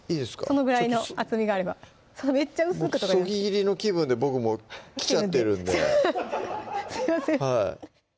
そのぐらいの厚みがあればもうそぎ切りの気分で僕もきちゃってるんですいません